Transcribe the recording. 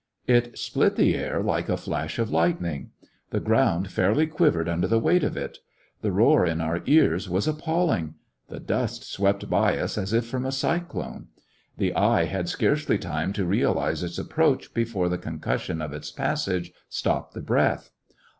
It split the air like a flash of lightning. The ground fairly quivered under the weight of it. The roar in our ears was appaUing. The dust swept by us as if from a cyclone. The eye had scarcely time to realize its approach before the concus sion of its passage stopped the breath.